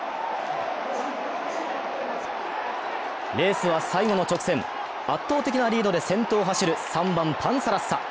レースは最後の直線、圧倒的なリードで先頭を走る３番・パンサラッサ。